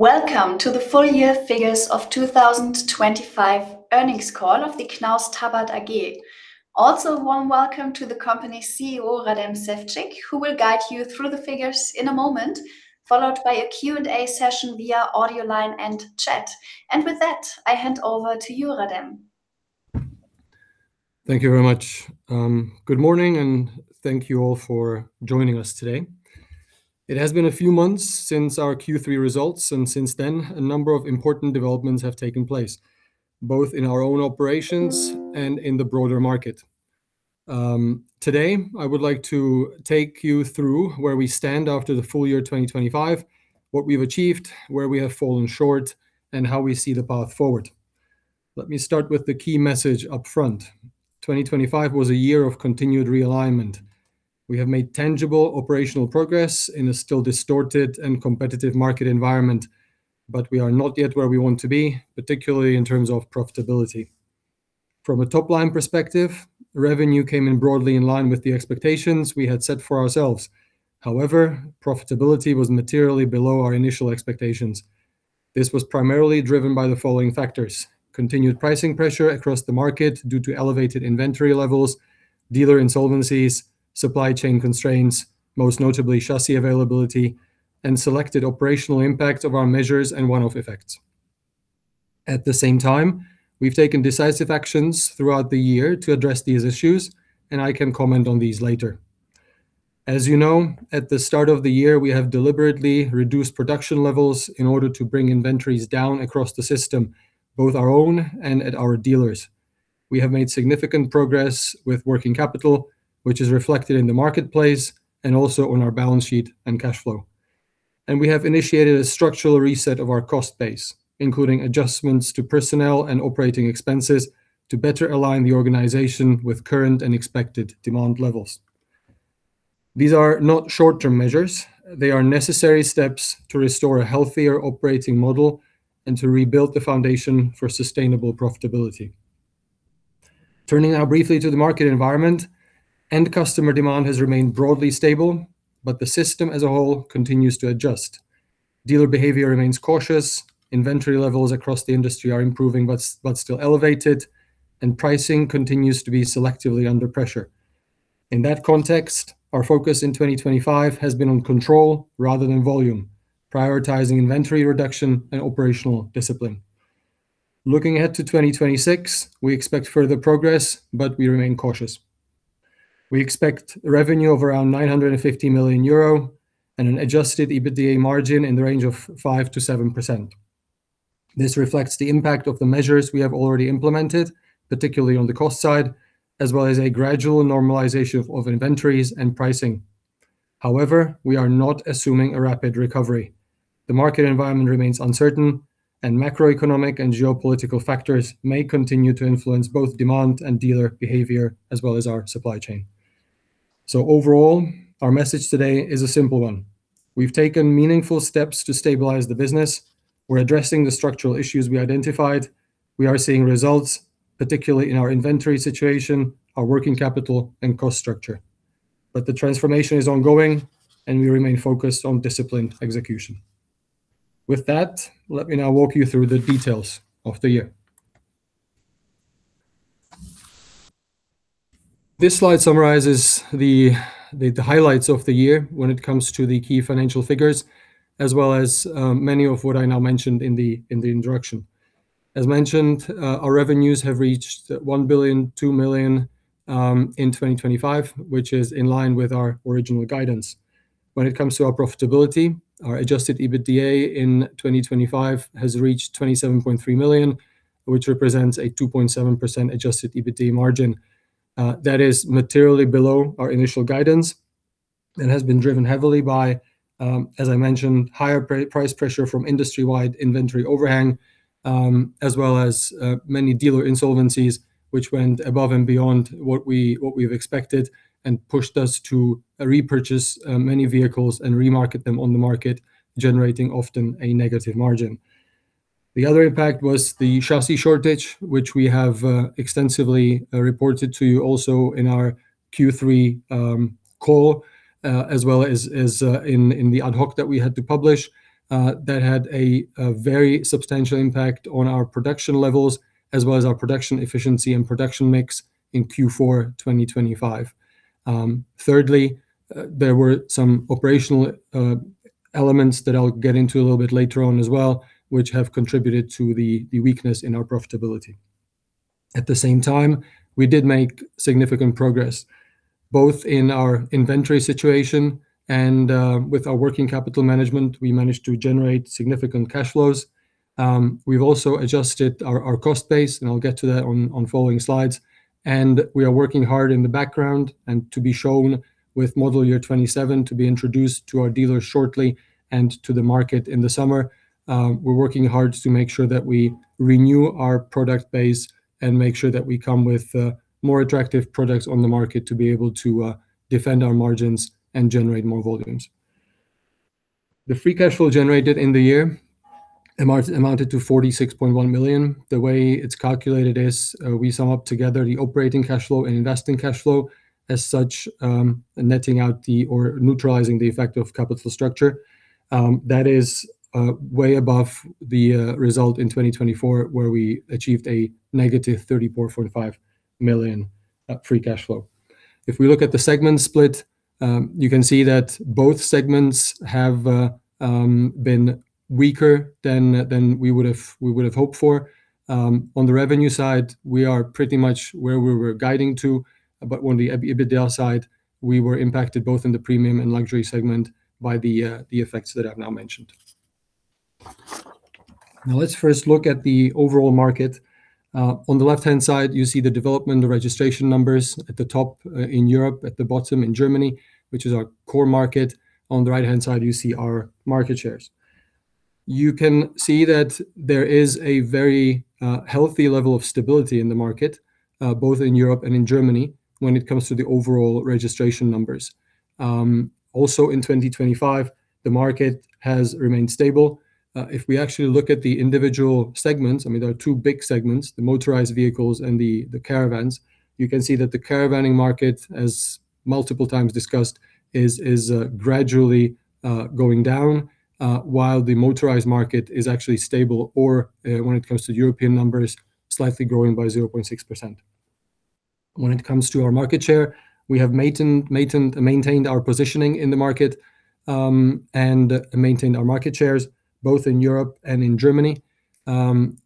Welcome to the full year figures of 2025 earnings call of the Knaus Tabbert AG. Also, warm welcome to the company CEO, Radim Ševčík, who will guide you through the figures in a moment, followed by a Q&A session via audio line and chat. With that, I hand over to you, Radim. Thank you very much. Good morning, and thank you all for joining us today. It has been a few months since our Q3 results, and since then, a number of important developments have taken place, both in our own operations and in the broader market. Today, I would like to take you through where we stand after the full year 2025, what we've achieved, where we have fallen short, and how we see the path forward. Let me start with the key message up front. 2025 was a year of continued realignment. We have made tangible operational progress in a still distorted and competitive market environment, but we are not yet where we want to be, particularly in terms of profitability. From a top-line perspective, revenue came in broadly in line with the expectations we had set for ourselves. However, profitability was materially below our initial expectations. This was primarily driven by the following factors, continued pricing pressure across the market due to elevated inventory levels, dealer insolvencies, supply chain constraints, most notably chassis availability, and selected operational impact of our measures and one-off effects. At the same time, we've taken decisive actions throughout the year to address these issues, and I can comment on these later. As you know, at the start of the year, we have deliberately reduced production levels in order to bring inventories down across the system, both our own and at our dealers. We have made significant progress with working capital, which is reflected in the marketplace and also on our balance sheet and cash flow. We have initiated a structural reset of our cost base, including adjustments to personnel and operating expenses to better align the organization with current and expected demand levels. These are not short-term measures. They are necessary steps to restore a healthier operating model and to rebuild the foundation for sustainable profitability. Turning now briefly to the market environment. End customer demand has remained broadly stable, but the system as a whole continues to adjust. Dealer behavior remains cautious. Inventory levels across the industry are improving, but still elevated, and pricing continues to be selectively under pressure. In that context, our focus in 2025 has been on control rather than volume, prioritizing inventory reduction and operational discipline. Looking ahead to 2026, we expect further progress, but we remain cautious. We expect revenue of around 950 million euro and an adjusted EBITDA margin in the range of 5%-7%. This reflects the impact of the measures we have already implemented, particularly on the cost side, as well as a gradual normalization of inventories and pricing. However, we are not assuming a rapid recovery. The market environment remains uncertain, and macroeconomic and geopolitical factors may continue to influence both demand and dealer behavior as well as our supply chain. Overall, our message today is a simple one. We've taken meaningful steps to stabilize the business. We're addressing the structural issues we identified. We are seeing results, particularly in our inventory situation, our working capital and cost structure. The transformation is ongoing, and we remain focused on disciplined execution. With that, let me now walk you through the details of the year. This slide summarizes the highlights of the year when it comes to the key financial figures, as well as many of what I now mentioned in the introduction. As mentioned, our revenues have reached 1 billion, 2 million in 2025, which is in line with our original guidance. When it comes to our profitability, our adjusted EBITDA in 2025 has reached 27.3 million, which represents a 2.7% adjusted EBITDA margin. That is materially below our initial guidance and has been driven heavily by, as I mentioned, higher price pressure from industry-wide inventory overhang, as well as many dealer insolvencies which went above and beyond what we've expected and pushed us to repurchase many vehicles and remarket them on the market, generating often a negative margin. The other impact was the chassis shortage, which we have extensively reported to you also in our Q3 call as well as in the ad hoc that we had to publish that had a very substantial impact on our production levels as well as our production efficiency and production mix in Q4 2025. Thirdly, there were some operational elements that I'll get into a little bit later on as well which have contributed to the weakness in our profitability. At the same time, we did make significant progress, both in our inventory situation and with our working capital management. We managed to generate significant cash flows. We've also adjusted our cost base, and I'll get to that on following slides. We are working hard in the background and to be shown with model year 2027 to be introduced to our dealers shortly and to the market in the summer. We're working hard to make sure that we renew our product base and make sure that we come with more attractive products on the market to be able to defend our margins and generate more volumes. The free cash flow generated in the year amounted to 46.1 million. The way it's calculated is, we sum up together the operating cash flow and investing cash flow as such, or neutralizing the effect of capital structure. That is way above the result in 2024, where we achieved a -34.5 million free cash flow. If we look at the segment split, you can see that both segments have been weaker than we would have hoped for. On the revenue side, we are pretty much where we were guiding to. On the EBITDA side, we were impacted both in the premium and luxury segment by the effects that I've now mentioned. Now let's first look at the overall market. On the left-hand side, you see the development, the registration numbers at the top in Europe, at the bottom in Germany, which is our core market. On the right-hand side, you see our market shares. You can see that there is a very healthy level of stability in the market both in Europe and in Germany when it comes to the overall registration numbers. Also, in 2025, the market has remained stable. If we actually look at the individual segments, I mean, there are two big segments, the motorized vehicles and the caravans. You can see that the caravanning market, as multiple times discussed, is gradually going down, while the motorized market is actually stable or, when it comes to European numbers, slightly growing by 0.6%. When it comes to our market share, we have maintained our positioning in the market and maintained our market shares both in Europe and in Germany.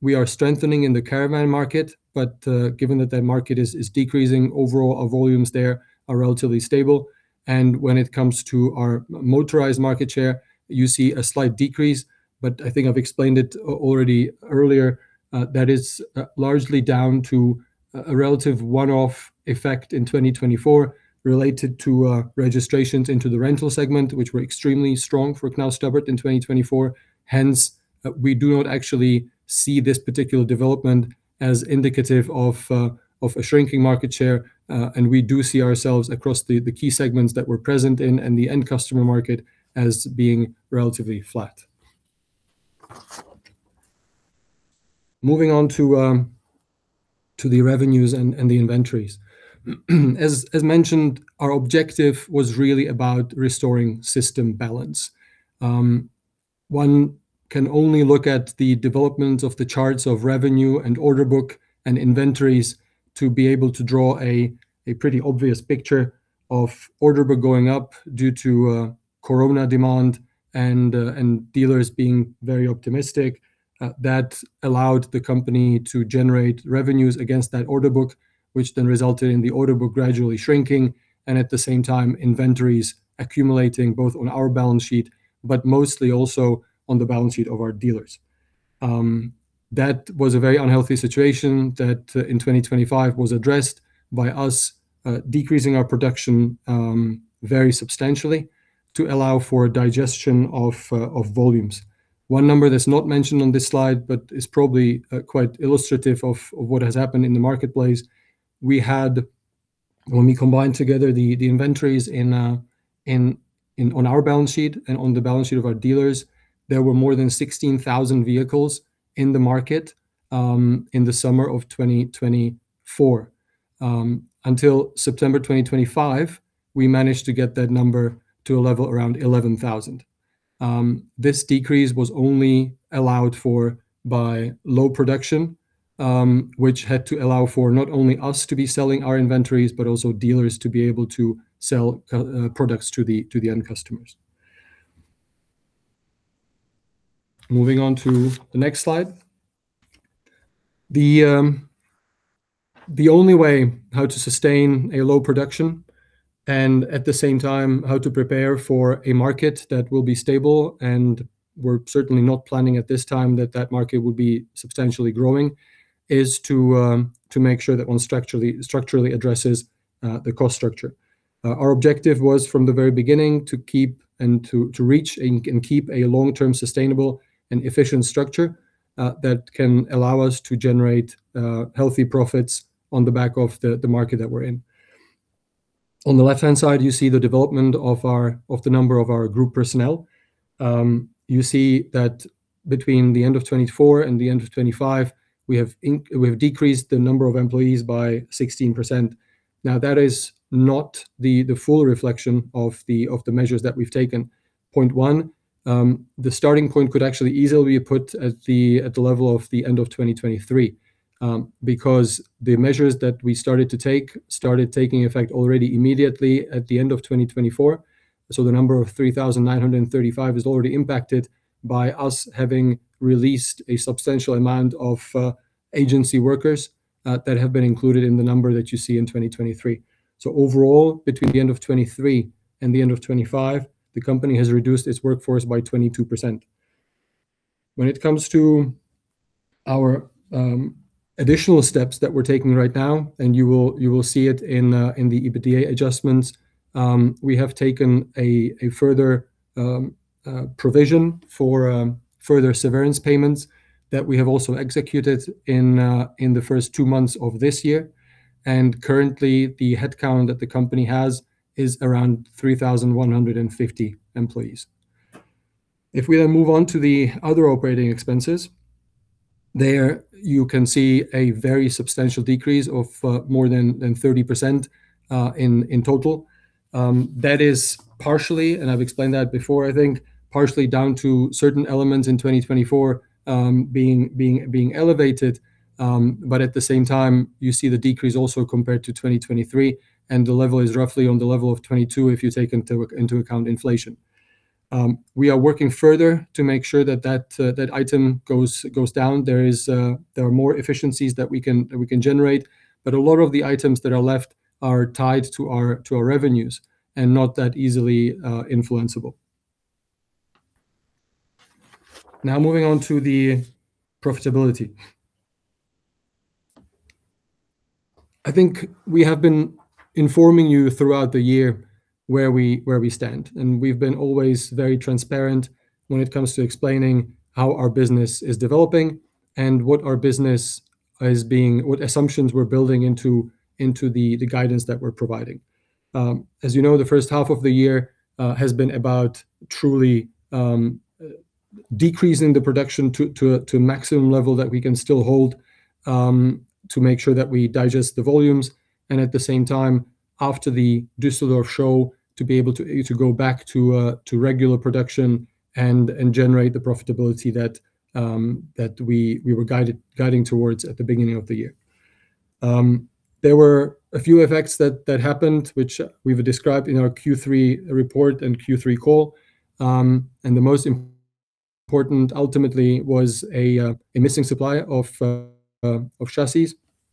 We are strengthening in the caravan market, but given that that market is decreasing overall, our volumes there are relatively stable. When it comes to our motorized market share, you see a slight decrease, but I think I've explained it already earlier. That is largely down to a relative one-off effect in 2024 related to registrations into the rental segment, which were extremely strong for Knaus Tabbert in 2024. Hence, we do not actually see this particular development as indicative of a shrinking market share. We do see ourselves across the key segments that we're present in and the end customer market as being relatively flat. Moving on to the revenues and the inventories. As mentioned, our objective was really about restoring system balance. One can only look at the development of the charts of revenue and order book and inventories to be able to draw a pretty obvious picture of order book going up due to corona demand and dealers being very optimistic. That allowed the company to generate revenues against that order book, which then resulted in the order book gradually shrinking and at the same time, inventories accumulating both on our balance sheet, but mostly also on the balance sheet of our dealers. That was a very unhealthy situation that in 2025 was addressed by us decreasing our production very substantially to allow for digestion of volumes. One number that's not mentioned on this slide but is probably quite illustrative of what has happened in the marketplace. When we combined together the inventories on our balance sheet and on the balance sheet of our dealers, there were more than 16,000 vehicles in the market in the summer of 2024. Until September 2025, we managed to get that number to a level around 11,000. This decrease was only allowed for by low production, which had to allow for not only us to be selling our inventories, but also dealers to be able to sell products to the end customers. Moving on to the next slide. The only way how to sustain a low production and at the same time how to prepare for a market that will be stable, and we're certainly not planning at this time that that market would be substantially growing, is to make sure that one structurally addresses the cost structure. Our objective was from the very beginning to keep and to reach and keep a long-term sustainable and efficient structure that can allow us to generate healthy profits on the back of the market that we're in. On the left-hand side, you see the development of the number of our group personnel. You see that between the end of 2024 and the end of 2025, we have decreased the number of employees by 16%. Now, that is not the full reflection of the measures that we've taken. Point one, the starting point could actually easily be put at the level of the end of 2023, because the measures that we started to take started taking effect already immediately at the end of 2024. The number of 3,935 is already impacted by us having released a substantial amount of agency workers that have been included in the number that you see in 2023. Overall, between the end of 2023 and the end of 2025, the company has reduced its workforce by 22%. When it comes to our additional steps that we're taking right now, and you will see it in the EBITDA adjustments, we have taken a further provision for further severance payments that we have also executed in the first two months of this year. Currently, the headcount that the company has is around 3,150 employees. If we then move on to the other operating expenses, there you can see a very substantial decrease of more than 30% in total. That is partially, and I've explained that before I think, partially down to certain elements in 2024 being elevated. At the same time, you see the decrease also compared to 2023, and the level is roughly on the level of 2022 if you take into account inflation. We are working further to make sure that that item goes down. There are more efficiencies that we can generate, but a lot of the items that are left are tied to our revenues and not that easily influencable. Now, moving on to the profitability. I think we have been informing you throughout the year where we stand, and we've been always very transparent when it comes to explaining how our business is developing and what assumptions we're building into the guidance that we're providing. As you know, the first half of the year has been about truly decreasing the production to a maximum level that we can still hold to make sure that we digest the volumes. At the same time, after the Düsseldorf show, to be able to go back to regular production and generate the profitability that we were guiding towards at the beginning of the year. There were a few effects that happened, which we've described in our Q3 report and Q3 call. The most important ultimately was a missing supply of chassis,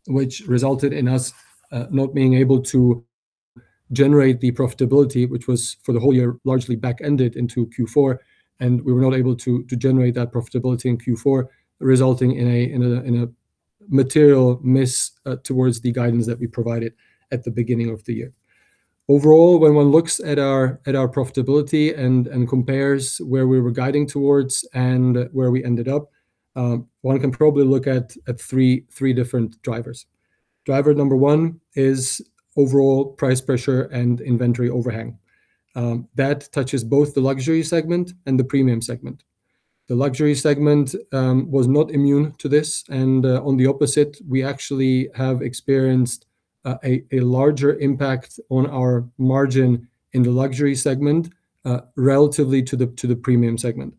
which resulted in us not being able to generate the profitability, which was for the whole year largely backended into Q4. We were not able to generate that profitability in Q4, resulting in a material miss towards the guidance that we provided at the beginning of the year. Overall, when one looks at our profitability and compares where we were guiding towards and where we ended up, one can probably look at three different drivers. Driver number one is overall price pressure and inventory overhang. That touches both the luxury segment and the premium segment. The luxury segment was not immune to this, and on the opposite, we actually have experienced a larger impact on our margin in the luxury segment relatively to the premium segment.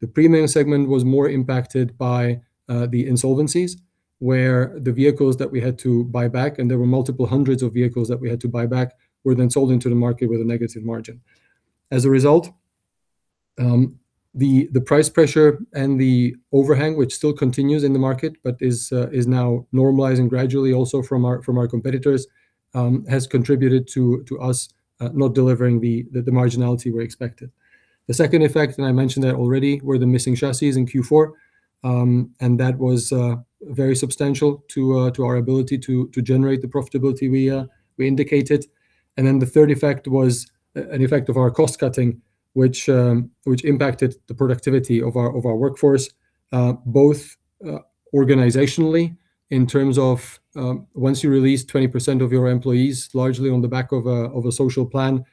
The premium segment was more impacted by the insolvencies, where the vehicles that we had to buy back, and there were multiple hundreds of vehicles that we had to buy back, were then sold into the market with a negative margin. As a result, the price pressure and the overhang, which still continues in the market but is now normalizing gradually also from our competitors, has contributed to us not delivering the marginality we expected. The second effect, and I mentioned that already, were the missing chassis in Q4, and that was very substantial to our ability to generate the profitability we indicated. The third effect was an effect of our cost-cutting, which impacted the productivity of our workforce, both organizationally in terms of once you release 20% of your employees, largely on the back of a social plan,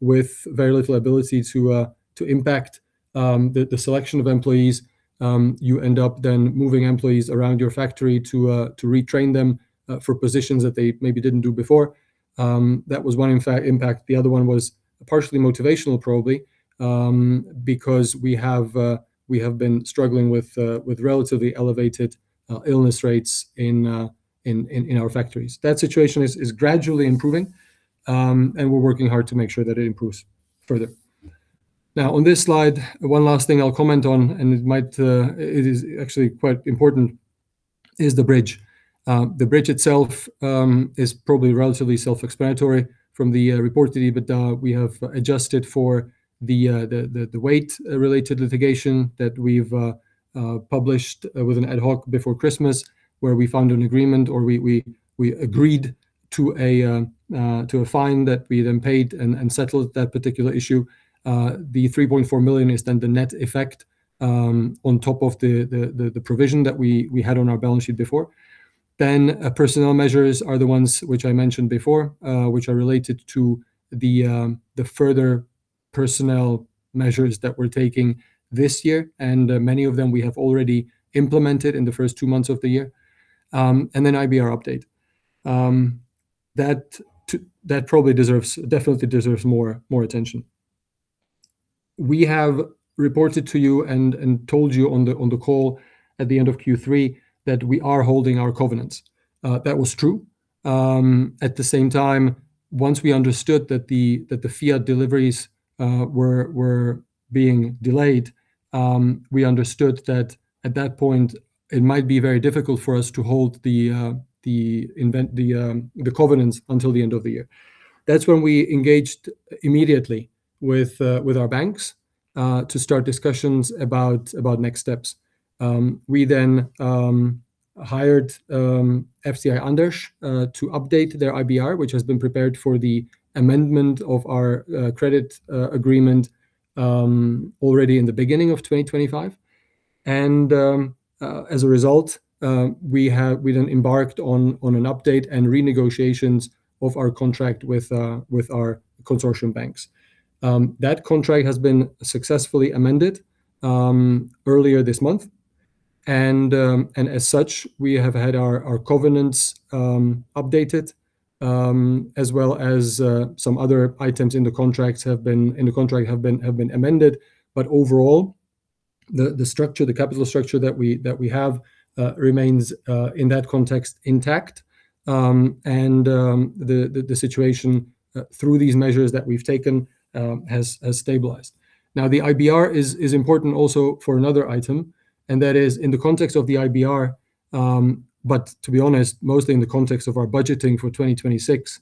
with very little ability to impact the selection of employees, you end up then moving employees around your factory to retrain them for positions that they maybe didn't do before. That was one impact. The other one was partially motivational, probably, because we have been struggling with relatively elevated illness rates in our factories. That situation is gradually improving, and we're working hard to make sure that it improves further. Now, on this slide, one last thing I'll comment on, and it might, it is actually quite important, is the bridge. The bridge itself is probably relatively self-explanatory from the report today, but we have adjusted for the weight-related litigation that we've published with an ad hoc before Christmas, where we found an agreement or we agreed to a fine that we then paid and settled that particular issue. The 3.4 million is then the net effect on top of the provision that we had on our balance sheet before. Personnel measures are the ones which I mentioned before, which are related to the further personnel measures that we're taking this year, and many of them we have already implemented in the first two months of the year. IBR update that probably, definitely deserves more attention. We have reported to you and told you on the call at the end of Q3 that we are holding our covenants. That was true. At the same time, once we understood that the Fiat deliveries were being delayed, we understood that at that point, it might be very difficult for us to hold the covenants until the end of the year. That's when we engaged immediately with our banks to start discussions about next steps. We then hired FTI-Andersch to update their IBR, which has been prepared for the amendment of our credit agreement already in the beginning of 2025. As a result, we then embarked on an update and renegotiations of our contract with our consortium banks. That contract has been successfully amended earlier this month. As such, we have had our covenants updated, as well as some other items in the contract have been amended, but overall the structure, the capital structure that we have remains in that context intact. The situation through these measures that we've taken has stabilized. Now, the IBR is important also for another item, and that is in the context of the IBR, but to be honest, mostly in the context of our budgeting for 2026,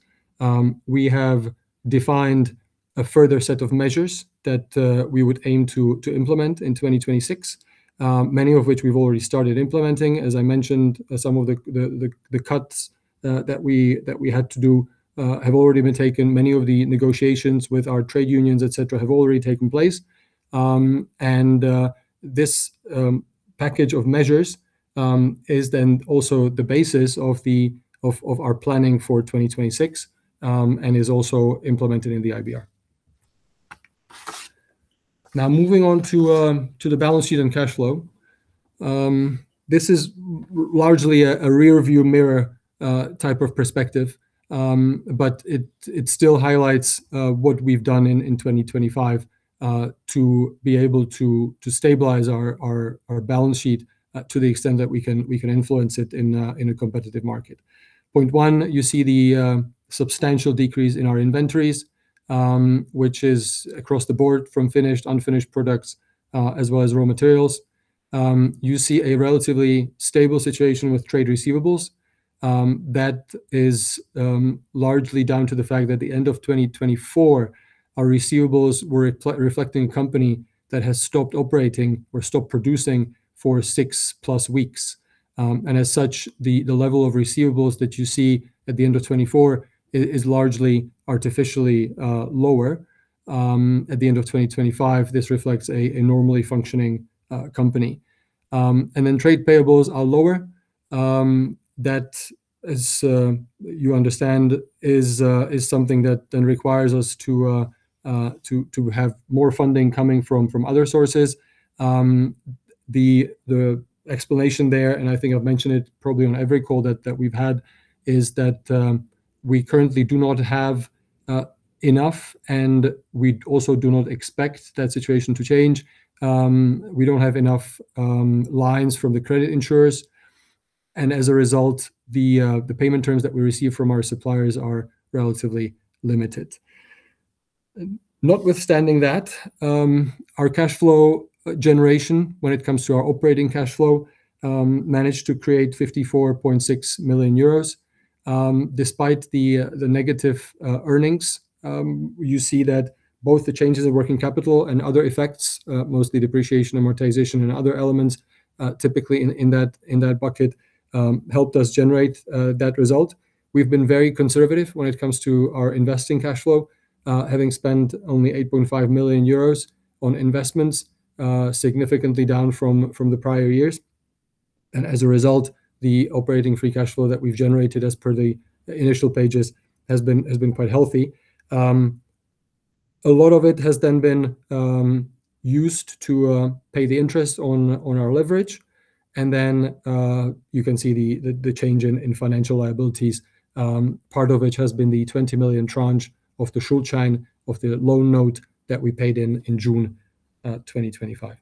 we have defined a further set of measures that we would aim to implement in 2026, many of which we've already started implementing. As I mentioned, some of the cuts that we had to do have already been taken. Many of the negotiations with our trade unions, etc, have already taken place. This package of measures is then also the basis of our planning for 2026 and is also implemented in the IBR. Now moving on to the balance sheet and cash flow. This is largely a rear view mirror type of perspective. But it still highlights what we've done in 2025 to stabilize our balance sheet to the extent that we can influence it in a competitive market. Point one, you see the substantial decrease in our inventories, which is across the board from finished, unfinished products as well as raw materials. You see a relatively stable situation with trade receivables that is largely down to the fact that the end of 2024, our receivables were reflecting company that has stopped operating or stopped producing for 6+ weeks. As such, the level of receivables that you see at the end of 2024 is largely artificially lower at the end of 2025. This reflects a normally functioning company. Trade payables are lower. That, as you understand, is something that requires us to have more funding coming from other sources. The explanation there, and I think I've mentioned it probably on every call that we've had, is that we currently do not have enough, and we also do not expect that situation to change. We don't have enough lines from the credit insurers, and as a result, the payment terms that we receive from our suppliers are relatively limited. Notwithstanding that, our cash flow generation when it comes to our operating cash flow managed to create 54.6 million euros. Despite the negative earnings, you see that both the changes in working capital and other effects, mostly depreciation, amortization, and other elements, typically in that bucket, helped us generate that result. We've been very conservative when it comes to our investing cash flow, having spent only 8.5 million euros on investments, significantly down from the prior years. As a result, the operating free cash flow that we've generated as per the initial pages has been quite healthy. A lot of it has then been used to pay the interest on our leverage. You can see the change in financial liabilities, part of which has been the 20 million tranche of the Schuldschein of the loan note that we paid in June 2025.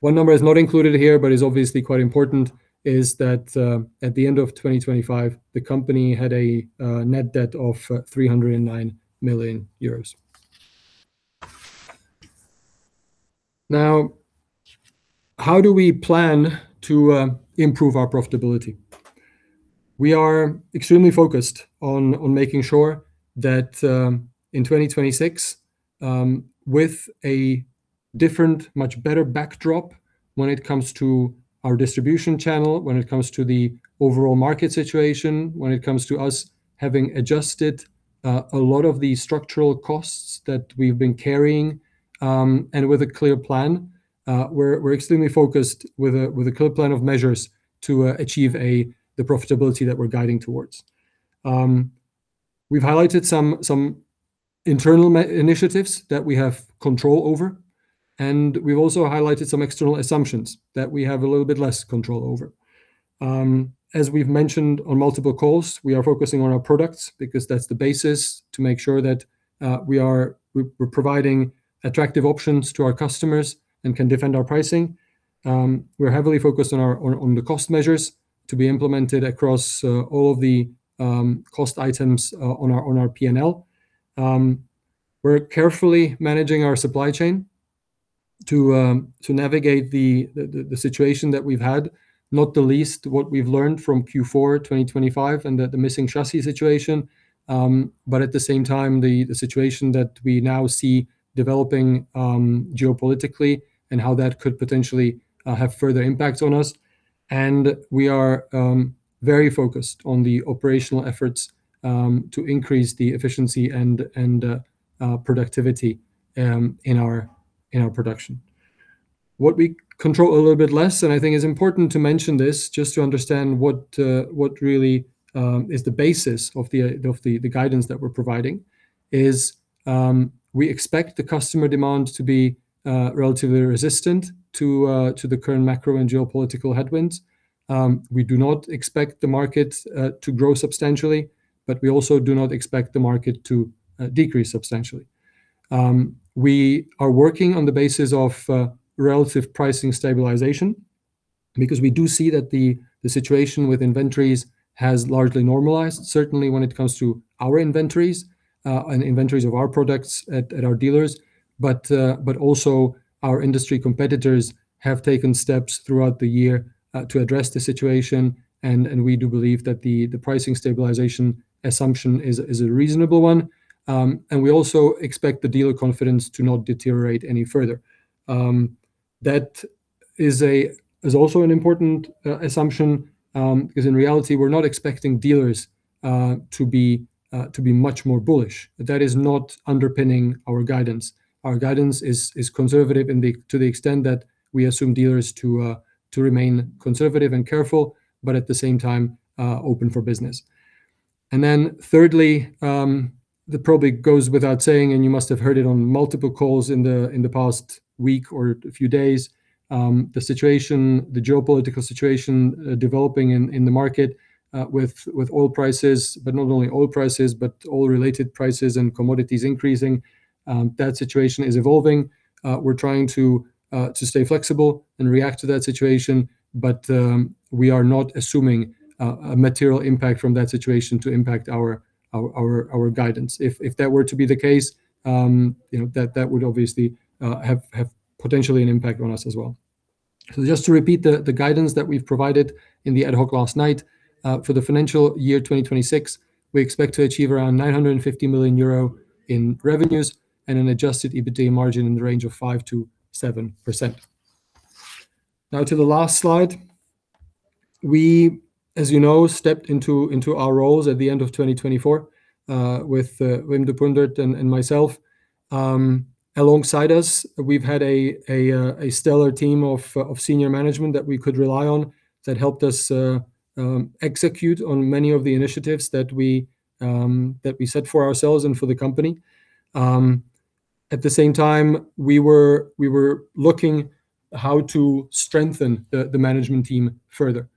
One number is not included here, but is obviously quite important, is that at the end of 2025, the company had a net debt of 309 million euros. Now, how do we plan to improve our profitability? We are extremely focused on making sure that in 2026, with a different, much better backdrop when it comes to our distribution channel, when it comes to the overall market situation, when it comes to us having adjusted a lot of the structural costs that we've been carrying, and with a clear plan, we're extremely focused with a clear plan of measures to achieve the profitability that we're guiding towards. We've highlighted some internal initiatives that we have control over, and we've also highlighted some external assumptions that we have a little bit less control over. As we've mentioned on multiple calls, we are focusing on our products because that's the basis to make sure that we're providing attractive options to our customers and can defend our pricing. We're heavily focused on the cost measures to be implemented across all of the cost items on our P&L. We're carefully managing our supply chain to navigate the situation that we've had, not the least what we've learned from Q4 2025 and the missing chassis situation. At the same time, the situation that we now see developing geopolitically and how that could potentially have further impacts on us. We are very focused on the operational efforts to increase the efficiency and productivity in our production. What we control a little bit less, and I think it's important to mention this just to understand what really is the basis of the guidance that we're providing, is we expect the customer demand to be relatively resistant to the current macro and geopolitical headwinds. We do not expect the market to grow substantially, but we also do not expect the market to decrease substantially. We are working on the basis of relative pricing stabilization because we do see that the situation with inventories has largely normalized, certainly when it comes to our inventories and inventories of our products at our dealers. But-- but also our industry competitors have taken steps throughout the year to address the situation and we do believe that the pricing stabilization assumption is a reasonable one. We also expect the dealer confidence to not deteriorate any further. That is also an important assumption, 'cause in reality, we're not expecting dealers to be much more bullish. That is not underpinning our guidance. Our guidance is conservative to the extent that we assume dealers to remain conservative and careful, but at the same time, open for business. Thirdly, that probably goes without saying, and you must have heard it on multiple calls in the past week or a few days, the situation, the geopolitical situation, developing in the market, with oil prices, but not only oil prices, but oil-related prices and commodities increasing, that situation is evolving. We're trying to stay flexible and react to that situation, but we are not assuming a material impact from that situation to impact our guidance. If that were to be the case, you know, that would obviously have potentially an impact on us as well. Just to repeat the guidance that we've provided in the ad hoc last night, for the financial year 2026, we expect to achieve around 950 million euro in revenues and an adjusted EBITDA margin in the range of 5%-7%. Now to the last slide. We, as you know, stepped into our roles at the end of 2024, with Wim de Pundert and myself. Alongside us, we've had a stellar team of senior management that we could rely on that helped us execute on many of the initiatives that we set for ourselves and for the company. At the same time, we were looking how to strengthen the management team further.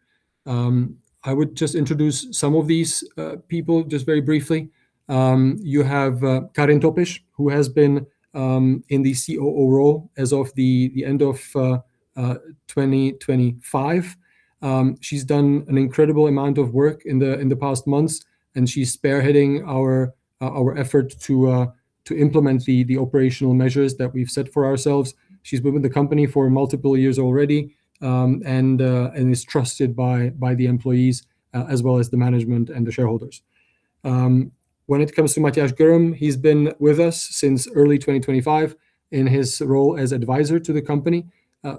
I would just introduce some of these people just very briefly. You have Karin Topisch, who has been in the COO role as of the end of 2025. She's done an incredible amount of work in the past months, and she's spearheading our effort to implement the operational measures that we've set for ourselves. She's been with the company for multiple years already, and is trusted by the employees as well as the management and the shareholders. When it comes to Matjaž Grm, he's been with us since early 2025 in his role as advisor to the company,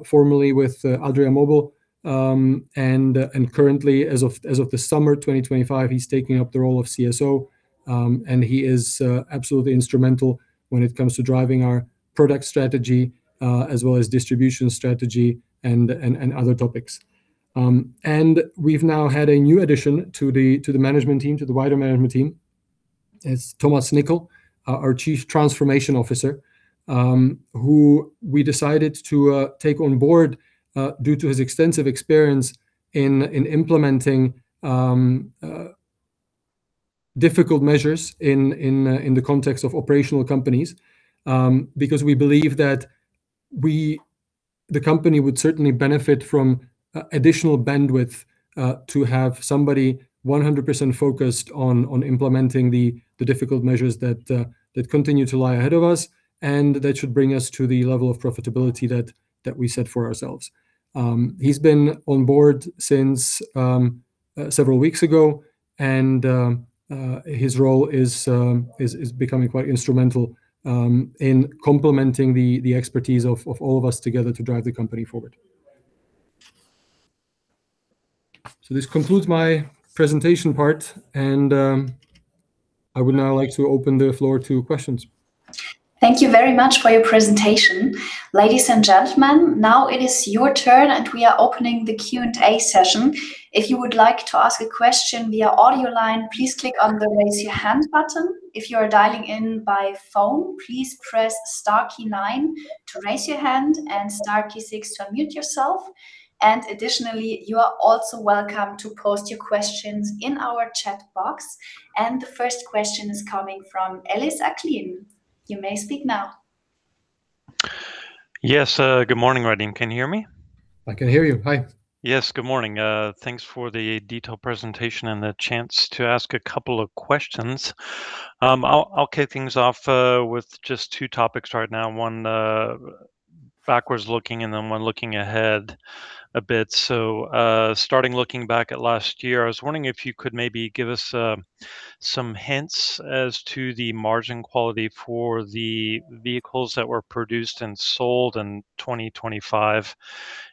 formerly with Adria Mobil, and currently as of the summer 2025, he's taking up the role of CSO, and he is absolutely instrumental when it comes to driving our product strategy, as well as distribution strategy and other topics. We've now had a new addition to the management team, to the wider management team, as Thomas Nickel, our Chief Transformation Officer, who we decided to take on board due to his extensive experience in implementing difficult measures in the context of operational companies. Because we believe that the company would certainly benefit from additional bandwidth to have somebody 100% focused on implementing the difficult measures that continue to lie ahead of us, and that should bring us to the level of profitability that we set for ourselves. He's been on board since several weeks ago, and his role is becoming quite instrumental in complementing the expertise of all of us together to drive the company forward. This concludes my presentation part, and I would now like to open the floor to questions. Thank you very much for your presentation. Ladies and gentlemen, now it is your turn, and we are opening the Q&A session. If you would like to ask a question via audio line, please click on the Raise Your Hand button. If you are dialing in by phone, please press star key nine to raise your hand and star key six to unmute yourself. Additionally, you are also welcome to post your questions in our chat box. The first question is coming from Ellis Acklin. You may speak now. Yes, good morning can you hear me? I can hear you. Hi. Yes. Good morning. Thanks for the detailed presentation and the chance to ask a couple of questions. I'll kick things off with just two topics right now, one backward looking and then one looking ahead a bit. Starting looking back at last year, I was wondering if you could maybe give us some hints as to the margin quality for the vehicles that were produced and sold in 2025.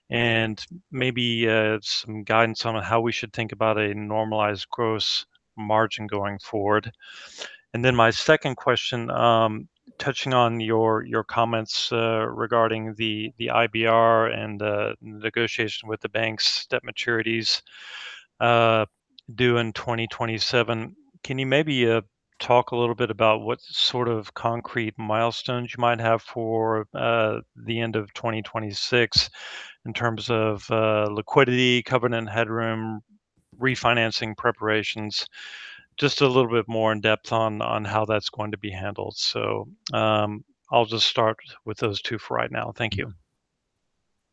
And maybe some guidance on how we should think about a normalized gross margin going forward. Then my second question, touching on your comments regarding the IBR and the negotiation with the banks, debt maturities due in 2027. Can you maybe talk a little bit about what sort of concrete milestones you might have for the end of 2026 in terms of liquidity, covenant headroom, refinancing preparations? Just a little bit more in-depth on how that's going to be handled. I'll just start with those two for right now. Thank you.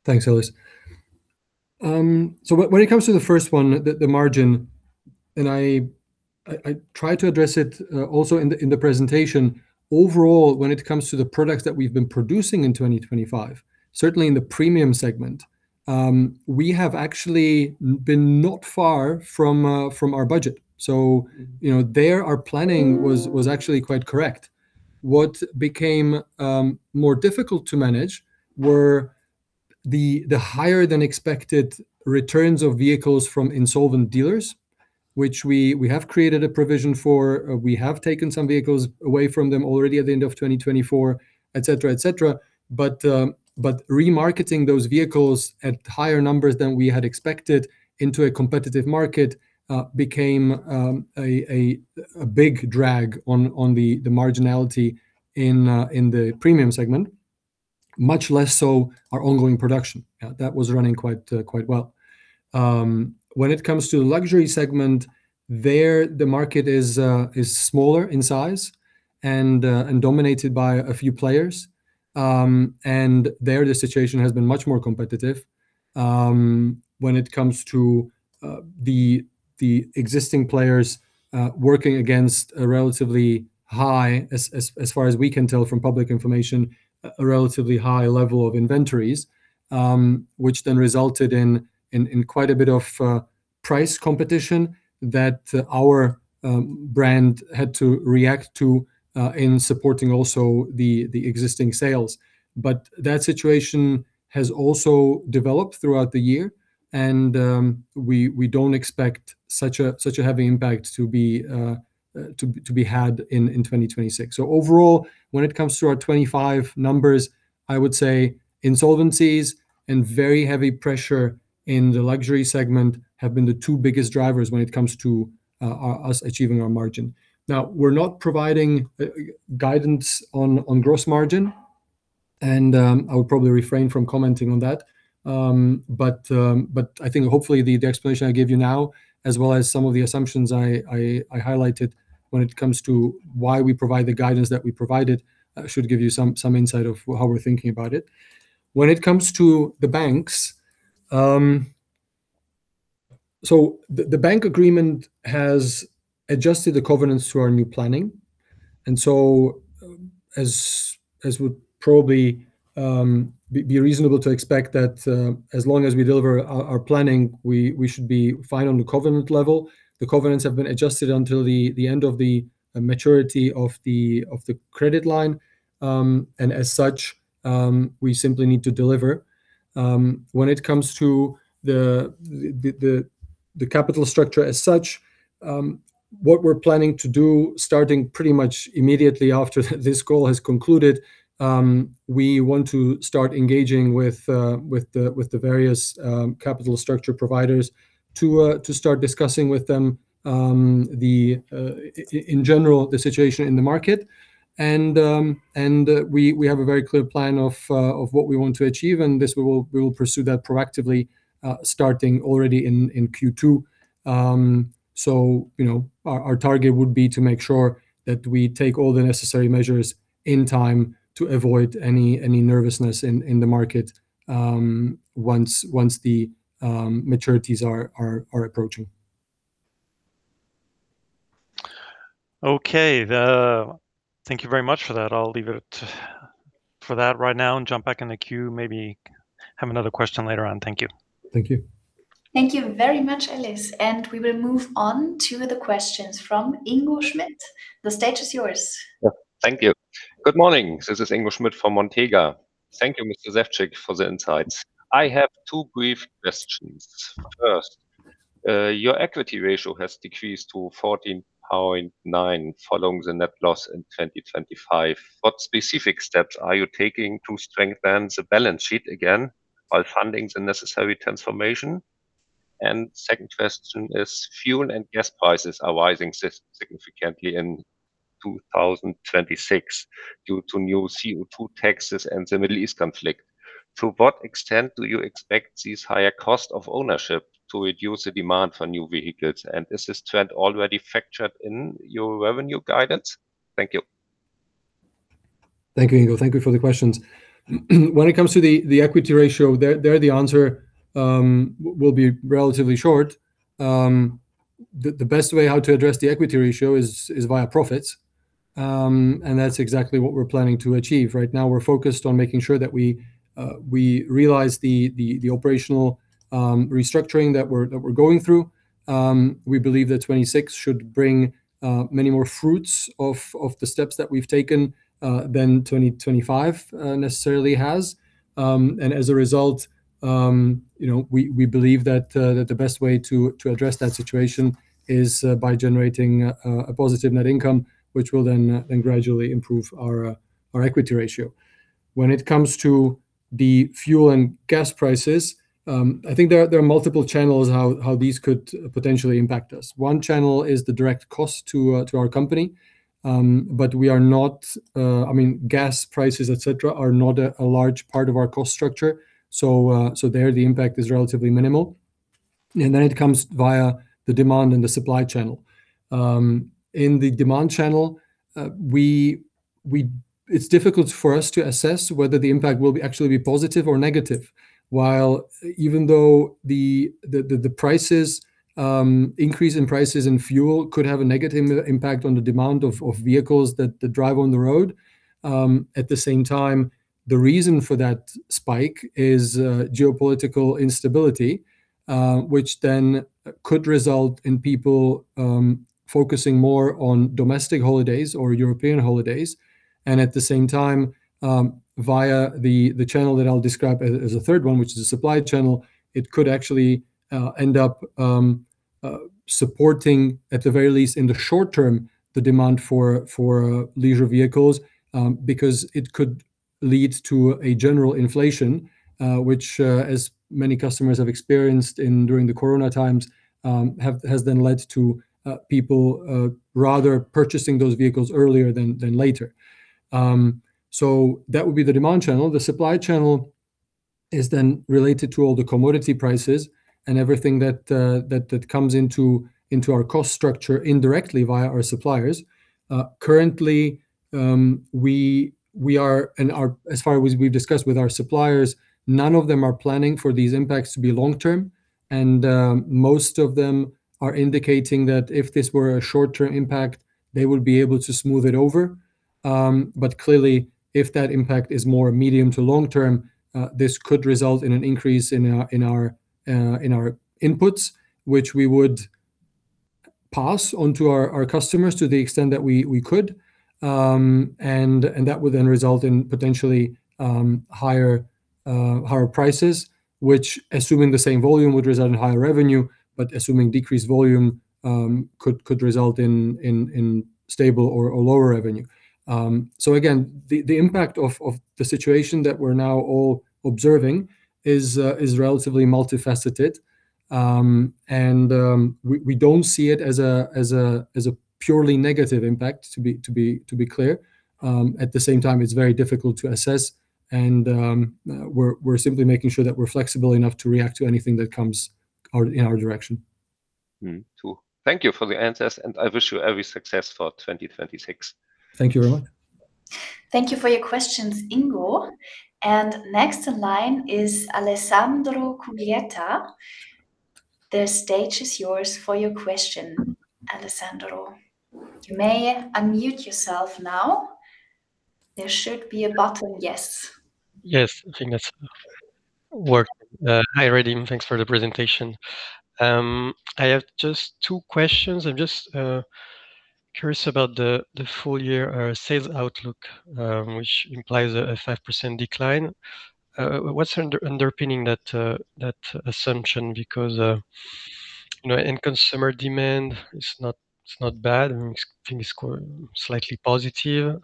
Thanks, Ellis. When it comes to the first one, the margin, and I try to address it also in the presentation. Overall, when it comes to the products that we've been producing in 2025, certainly in the premium segment, we have actually been not far from our budget. You know, there our planning was actually quite correct. What became more difficult to manage were the higher than expected returns of vehicles from insolvent dealers, which we have created a provision for. We have taken some vehicles away from them already at the end of 2024, etc, etc. Remarketing those vehicles at higher numbers than we had expected into a competitive market became a big drag on the marginality in the premium segment, much less so our ongoing production, that was running quite well. When it comes to the luxury segment, there the market is smaller in size and dominated by a few players. There the situation has been much more competitive when it comes to the existing players working against a relatively high, as far as we can tell from public information, a relatively high level of inventories, which then resulted in quite a bit of price competition that our brand had to react to in supporting also the existing sales. That situation has also developed throughout the year, and we don't expect such a heavy impact to be had in 2026. Overall, when it comes to our 2025 numbers, I would say insolvencies and very heavy pressure in the luxury segment have been the two biggest drivers when it comes to us achieving our margin. Now, we're not providing guidance on gross margin, and I would probably refrain from commenting on that. I think hopefully the explanation I gave you now, as well as some of the assumptions I highlighted when it comes to why we provide the guidance that we provided should give you some insight into how we're thinking about it. When it comes to the banks, so the bank agreement has adjusted the covenants to our new planning. As would probably be reasonable to expect that, as long as we deliver our planning, we should be fine on the covenant level. The covenants have been adjusted until the end of the maturity of the credit line. As such, we simply need to deliver. When it comes to the capital structure as such, what we're planning to do, starting pretty much immediately after this call has concluded, we want to start engaging with the various capital structure providers to start discussing with them, in general, the situation in the market. We have a very clear plan of what we want to achieve, and this we will pursue that proactively, starting already in Q2. So, you know, our target would be to make sure that we take all the necessary measures in time to avoid any nervousness in the market, once the maturities are approaching. Okay. Thank you very much for that. I'll leave it at that right now and jump back in the queue, maybe have another question later on. Thank you. Thank you. Thank you very much, Ellis. We will move on to the questions from Ingo Schmidt. The stage is yours. Yeah. Thank you. Good morning. This is Ingo Schmidt from Montega. Thank you, Mr. Ševčík, for the insights. I have two brief questions. First, your equity ratio has decreased to 14.9 following the net loss in 2025. What specific steps are you taking to strengthen the balance sheet again while funding the necessary transformation? Second question is, fuel and gas prices are rising significantly in 2026 due to new CO2 taxes and the Middle East conflict. To what extent do you expect these higher costs of ownership to reduce the demand for new vehicles? And is this trend already factored in your revenue guidance? Thank you. Thank you, Ingo. Thank you for the questions. When it comes to the equity ratio, there the answer will be relatively short. The best way how to address the equity ratio is via profits, and that's exactly what we're planning to achieve. Right now we're focused on making sure that we realize the operational restructuring that we're going through. We believe that 2026 should bring many more fruits of the steps that we've taken than 2025 necessarily has. As a result, you know, we believe that the best way to address that situation is by generating a positive net income, which will then gradually improve our equity ratio. When it comes to the fuel and gas prices, I think there are multiple channels how these could potentially impact us. One channel is the direct cost to our company. I mean, gas prices, etc, are not a large part of our cost structure, so there the impact is relatively minimal. Then it comes via the demand and the supply channel. In the demand channel, it's difficult for us to assess whether the impact will be actually positive or negative. Even though the increase in fuel prices could have a negative impact on the demand for vehicles that drive on the road, at the same time, the reason for that spike is geopolitical instability, which then could result in people focusing more on domestic holidays or European holidays, and at the same time, via the channel that I'll describe as a third one, which is a supply channel, it could actually end up supporting, at the very least in the short term, the demand for leisure vehicles, because it could lead to a general inflation, which, as many customers have experienced during the corona times, has then led to people rather purchasing those vehicles earlier than later. That would be the demand channel. The supply channel is related to all the commodity prices and everything that comes into our cost structure indirectly via our suppliers. Currently, as far as we've discussed with our suppliers, none of them are planning for these impacts to be long term. Most of them are indicating that if this were a short-term impact, they would be able to smooth it over. Clearly, if that impact is more medium to long term, this could result in an increase in our inputs, which we would pass on to our customers to the extent that we could. That would then result in potentially higher prices, which assuming the same volume would result in higher revenue, but assuming decreased volume could result in stable or lower revenue. Again, the impact of the situation that we're now all observing is relatively multifaceted. We don't see it as a purely negative impact, to be clear. At the same time, it's very difficult to assess and we're simply making sure that we're flexible enough to react to anything that comes our way. Thank you for the answers, and I wish you every success for 2026. Thank you very much. Thank you for your questions, Ingo. Next in line is Alessandro Cuglietta. The stage is yours for your question, Alessandro. You may unmute yourself now. There should be a button, yes. Yes. I think that's worked. Hi, Radim. Thanks for the presentation. I have just two questions. I'm just curious about the full year sales outlook, which implies a 5% decline. What's underpinning that assumption? Because, you know, end consumer demand is not bad, and I think it's gone slightly positive.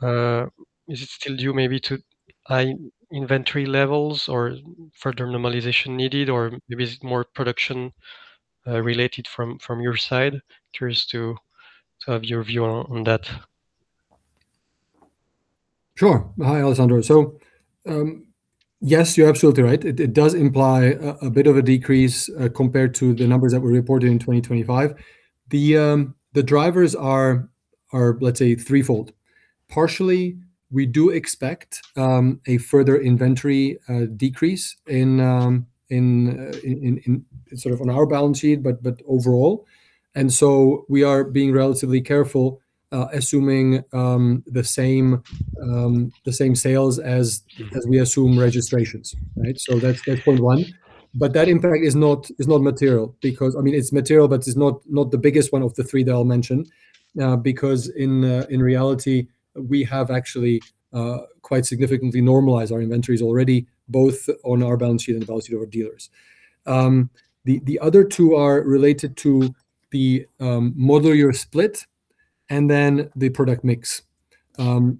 Is it still due maybe to high inventory levels or further normalization needed or maybe it's more production related from your side? Curious to have your view on that. Sure. Hi, Alessandro. Yes, you're absolutely right. It does imply a bit of a decrease compared to the numbers that we reported in 2025. The drivers are let's say threefold. Partially, we do expect a further inventory decrease in sort of on our balance sheet, but overall. We are being relatively careful assuming the same sales as we assume registrations, right? That's point one. That impact is not material because I mean, it's material, but it's not the biggest one of the three that I'll mention because in reality, we have actually quite significantly normalized our inventories already, both on our balance sheet and the balance sheet of our dealers. The other two are related to the model year split and then the product mix.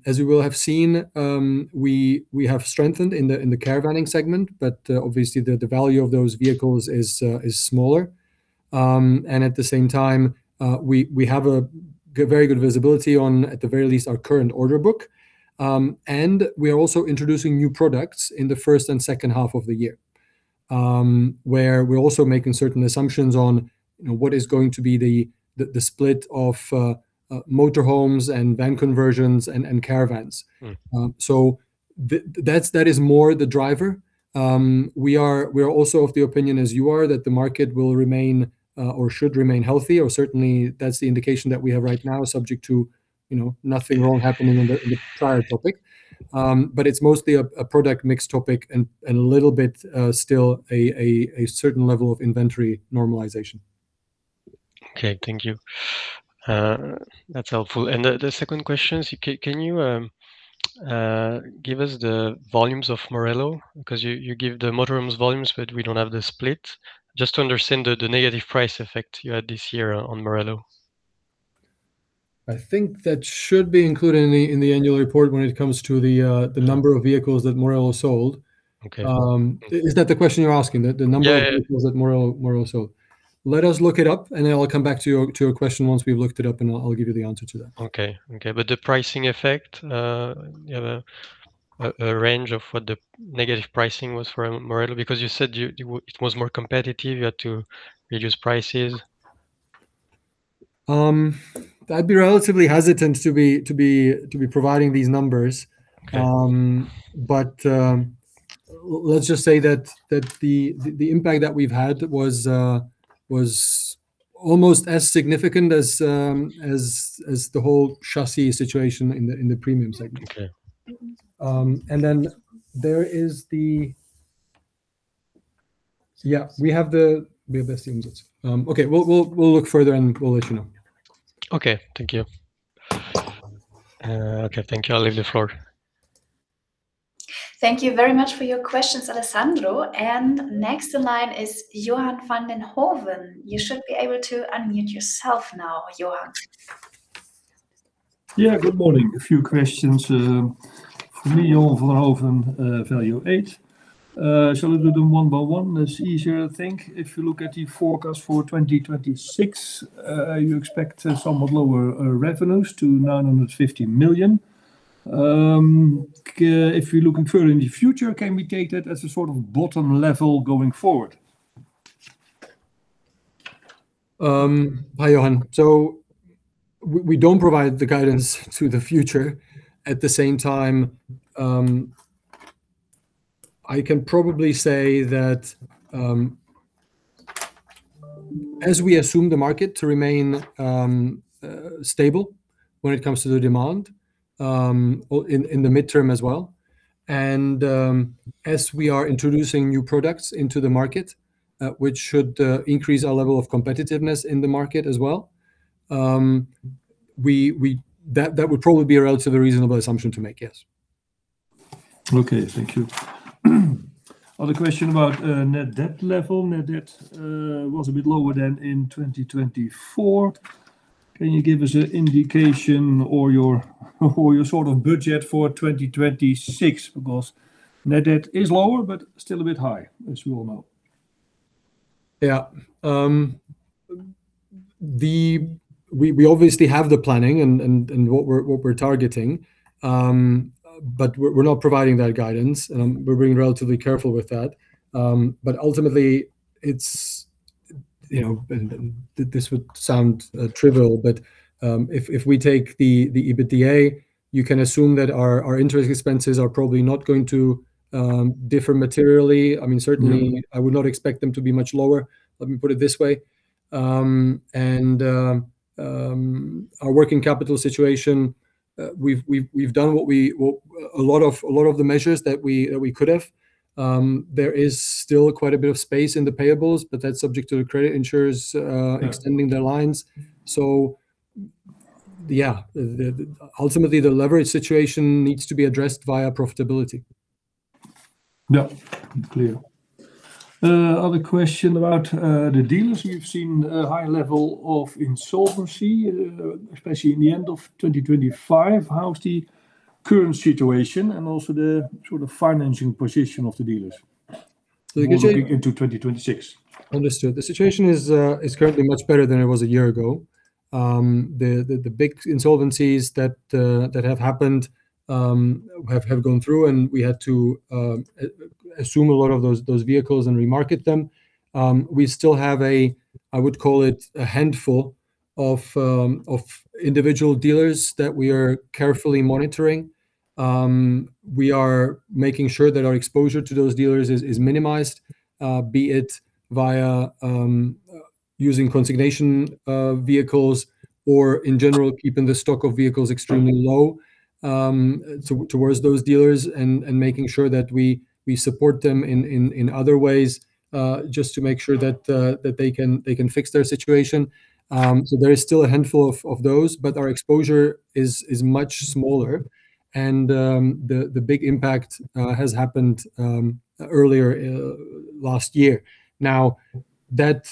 As you will have seen, we have strengthened in the caravanning segment, but obviously the value of those vehicles is smaller. At the same time, we have very good visibility on at the very least our current order book. We are also introducing new products in the first and second half of the year, where we're also making certain assumptions on, you know, what is going to be the split of motor homes and van conversions and caravans. Mm-hmm. That's that is more the driver. We are also of the opinion as you are that the market will remain or should remain healthy, or certainly that's the indication that we have right now subject to you know nothing wrong happening in the prior topic. It's mostly a product mix topic and a little bit still a certain level of inventory normalization. Okay, thank you. That's helpful. The second question is can you give us the volumes of MORELO? 'Cause you give the motorhomes volumes, but we don't have the split. Just to understand the negative price effect you had this year on MORELO. I think that should be included in the annual report when it comes to the- Yeah ...the number of vehicles that MORELO sold. Okay. Is that the question you're asking? The number- Yeah.... of vehicles that MORELO sold? Let us look it up, and then I'll come back to your question once we've looked it up, and I'll give you the answer to that. Okay. The pricing effect, you have a range of what the negative pricing was for MORELO? Because you said it was more competitive, you had to reduce prices. I'd be relatively hesitant to be providing these numbers. Okay. Let's just say that the impact that we've had was almost as significant as the whole chassis situation in the premium segment. Okay. Yeah, we have the same answers. Okay. We'll look further and we'll let you know. Okay. Thank you. I'll leave the floor. Thank you very much for your questions, Alessandro. Next in line is Johan van den Hooven. You should be able to unmute yourself now, Johan. Yeah. Good morning. A few questions from me, Johan van den Hooven, Value8. Shall we do them one by one? That's easier, I think. If you look at the forecast for 2026, you expect somewhat lower revenues to 950 million. If you're looking further in the future, can we take that as a sort of bottom level going forward? Hi, Johan. We don't provide the guidance to the future. At the same time, I can probably say that as we assume the market to remain stable when it comes to the demand in the midterm as well, and as we are introducing new products into the market, which should increase our level of competitiveness in the market as well, that would probably be a relatively reasonable assumption to make, yes. Okay. Thank you. Other question about net debt level. Net debt was a bit lower than in 2024. Can you give us an indication or your sort of budget for 2026? Because net debt is lower, but still a bit high, as you all know. Yeah. We obviously have the planning and what we're targeting, but we're not providing that guidance. We're being relatively careful with that. Ultimately, it's, you know, this would sound trivial, but if we take the EBITDA, you can assume that our interest expenses are probably not going to differ materially. I mean, certainly. Mm-hmm I would not expect them to be much lower, let me put it this way. Our working capital situation, we've done a lot of the measures that we could have. There is still quite a bit of space in the payables, but that's subject to the credit insurers- Yeah. ...extending their lines. Yeah, ultimately, the leverage situation needs to be addressed via profitability. Yeah. Clear. Other question about the dealers. You've seen a high level of insolvency, especially in the end of 2025. How's the current situation and also the sort of financing position of the dealers? The current sit- Moving into 2026? Understood. The situation is currently much better than it was a year ago. The big insolvencies that have happened have gone through, and we had to assume a lot of those vehicles and remarket them. We still have a handful of individual dealers that we are carefully monitoring. We are making sure that our exposure to those dealers is minimized, be it via using consignment vehicles or in general keeping the stock of vehicles extremely low towards those dealers and making sure that we support them in other ways, just to make sure that they can fix their situation. There is still a handful of those, but our exposure is much smaller and the big impact has happened earlier last year. Now that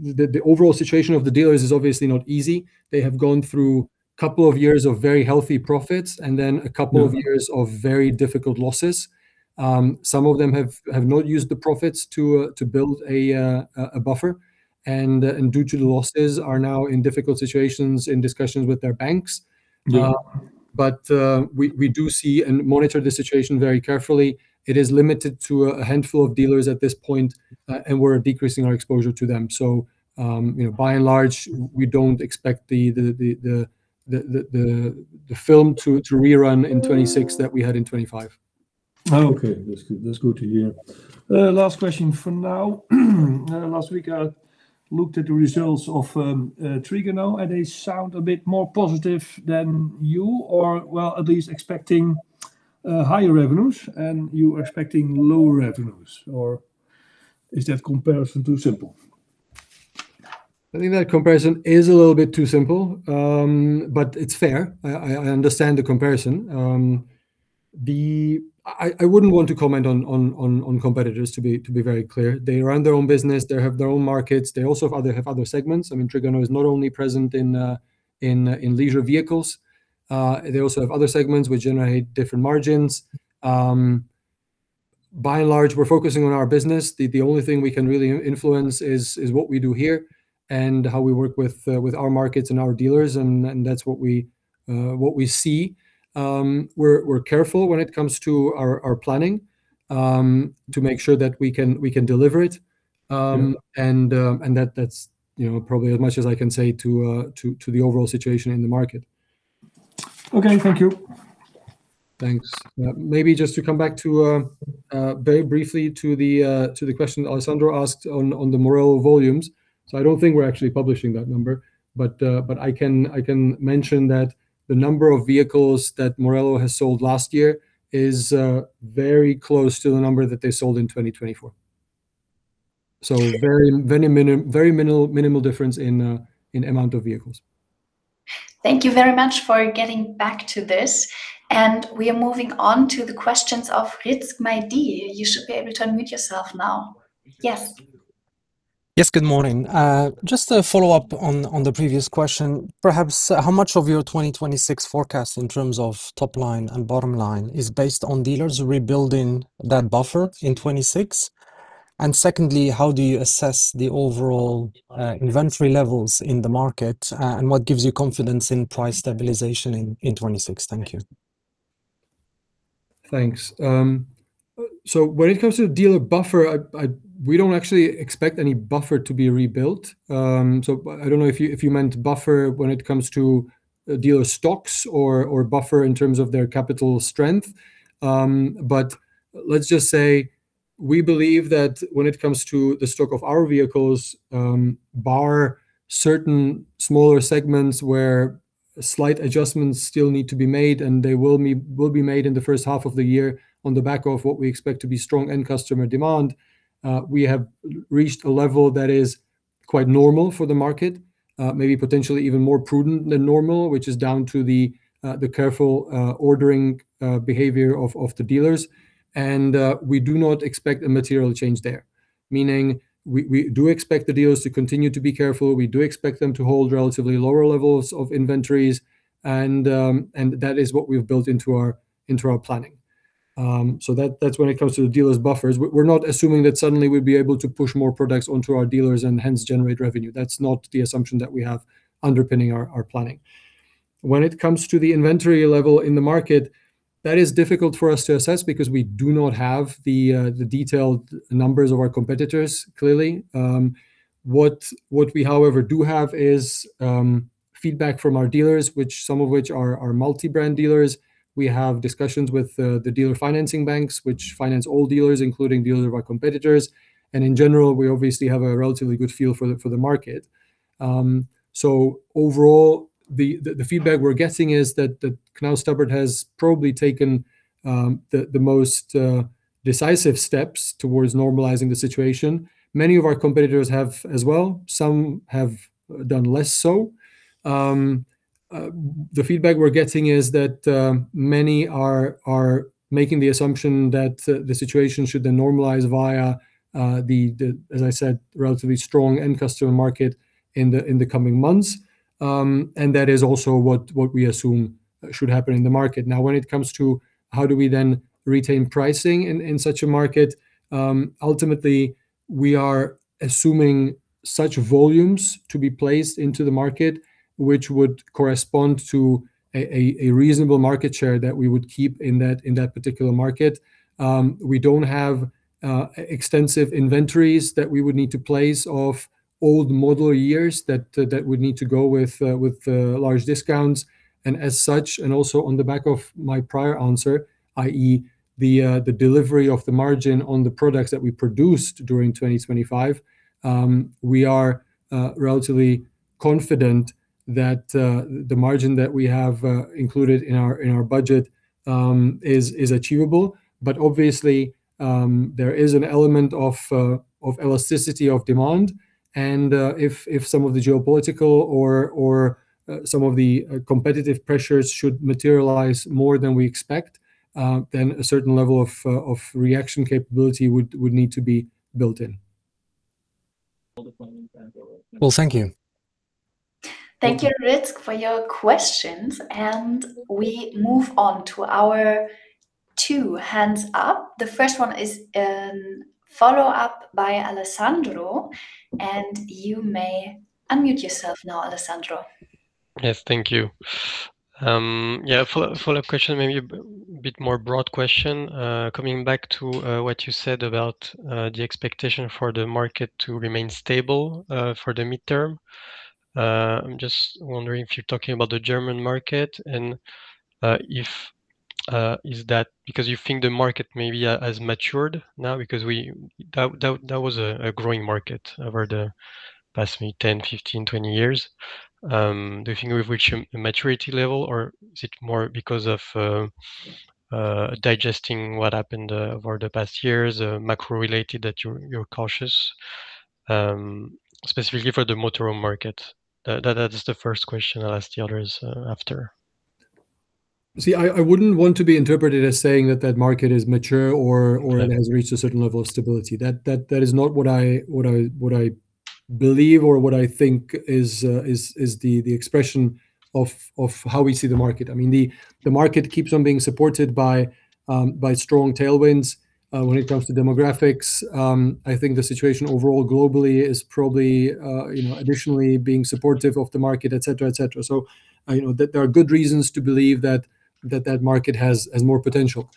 the overall situation of the dealers is obviously not easy. They have gone through couple of years of very healthy profits and then a couple of years- Yeah. ...of very difficult losses. Some of them have not used the profits to build a buffer and, due to the losses, are now in difficult situations in discussions with their banks. Yeah. We do see and monitor the situation very carefully. It is limited to a handful of dealers at this point, and we're decreasing our exposure to them. You know, by and large, we don't expect the fine to recur in 2026 that we had in 2025. Okay. That's good. That's good to hear. Last question for now. Last week, I looked at the results of Trigano, and they sound a bit more positive than you or, well, at least expecting. Higher revenues and you are expecting lower revenues or is that comparison too simple? I think that comparison is a little bit too simple, but it's fair. I understand the comparison. I wouldn't want to comment on competitors to be very clear. They run their own business. They have their own markets. They also have other segments. I mean, Trigano is not only present in leisure vehicles. They also have other segments which generate different margins. By and large, we're focusing on our business. The only thing we can really influence is what we do here and how we work with our markets and our dealers and that's what we see. We're careful when it comes to our planning to make sure that we can deliver it. Yeah. That's, you know, probably as much as I can say to the overall situation in the market. Okay. Thank you. Thanks. Maybe just to come back to, very briefly to the question Alessandro asked on the MORELO volumes. I don't think we're actually publishing that number, but I can mention that the number of vehicles that MORELO has sold last year is very close to the number that they sold in 2024. Very minimal difference in amount of vehicles. Thank you very much for getting back to this. We are moving on to the questions of Rizk Maidi. You should be able to unmute yourself now. Yes. Yes. Good morning. Just to follow up on the previous question, perhaps how much of your 2026 forecast in terms of top line and bottom line is based on dealers rebuilding that buffer in 2026? And secondly, how do you assess the overall inventory levels in the market, and what gives you confidence in price stabilization in 2026? Thank you. Thanks. When it comes to dealer buffer, we don't actually expect any buffer to be rebuilt. I don't know if you meant buffer when it comes to dealer stocks or buffer in terms of their capital strength. Let's just say we believe that when it comes to the stock of our vehicles, bar certain smaller segments where slight adjustments still need to be made, and they will be made in the first half of the year on the back of what we expect to be strong end customer demand, we have reached a level that is quite normal for the market, maybe potentially even more prudent than normal, which is down to the careful ordering behavior of the dealers. We do not expect a material change there, meaning we do expect the dealers to continue to be careful. We do expect them to hold relatively lower levels of inventories and that is what we've built into our planning. That's when it comes to the dealers' buffers. We're not assuming that suddenly we'd be able to push more products onto our dealers and hence generate revenue. That's not the assumption that we have underpinning our planning. When it comes to the inventory level in the market, that is difficult for us to assess because we do not have the detailed numbers of our competitors, clearly. What we however do have is feedback from our dealers, which some of which are our multi-brand dealers. We have discussions with the dealer financing banks, which finance all dealers, including dealers of our competitors. In general, we obviously have a relatively good feel for the market. Overall, the feedback we're getting is that the Knaus Tabbert has probably taken the most decisive steps towards normalizing the situation. Many of our competitors have as well. Some have done less so. The feedback we're getting is that many are making the assumption that the situation should then normalize via the, as I said, relatively strong end customer market in the coming months. That is also what we assume should happen in the market. Now, when it comes to how do we then retain pricing in such a market, ultimately, we are assuming such volumes to be placed into the market, which would correspond to a reasonable market share that we would keep in that particular market. We don't have extensive inventories that we would need to place of old model years that would need to go with large discounts. As such, and also on the back of my prior answer, i.e., the delivery of the margin on the products that we produced during 2025, we are relatively confident that the margin that we have included in our budget is achievable. Obviously, there is an element of elasticity of demand. If some of the geopolitical or some of the competitive pressures should materialize more than we expect, then a certain level of reaction capability would need to be built in. Well, thank you. Thank you, Rizk, for your questions. We move on to our two hands up. The first one is, follow-up by Alessandro, and you may unmute yourself now, Alessandro. Yes. Thank you. Yeah, follow-up question, maybe a bit more broad question. Coming back to what you said about the expectation for the market to remain stable for the midterm. I'm just wondering if you're talking about the German market and if-- Is that because you think the market maybe has matured now? Because that was a growing market over the past maybe 10, 15, 20 years. Do you think we've reached a maturity level, or is it more because of digesting what happened over the past years, macro related that you're cautious, specifically for the motorhome market? That is the first question. I'll ask the others after. See, I wouldn't want to be interpreted as saying that market is mature or it has reached a certain level of stability. That is not what I believe or what I think is the expression of how we see the market. I mean, the market keeps on being supported by strong tailwinds when it comes to demographics. I think the situation overall globally is probably, you know, additionally being supportive of the market, etc. You know, there are good reasons to believe that market has more potential.